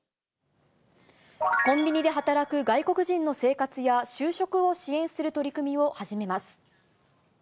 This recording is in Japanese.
コンビニで働く外国人の生活や、就職を支援する取り組みを始めます。